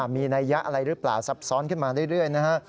มีนัยยะอะไรหรือเปล่าซับซ้อนขึ้นมาเรื่อยนะฮะ